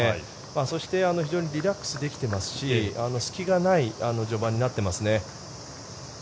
そして、非常にリラックスできていますし隙がない序盤になっていますね。